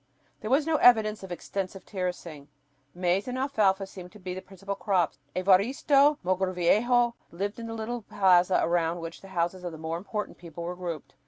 There was no evidence of extensive terracing. Maize and alfalfa seemed to be the principal crops. Evaristo Mogrovejo lived on the little plaza around which the houses of the more important people were grouped.